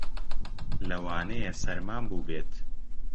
لەوانەیە سەرمام بووبێت.